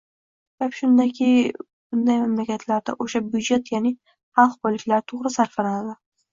Gap shundaki, bunday mamlakatlarda o‘sha – byudjet yaʼni xalq boyliklari to‘g‘ri saflanadi.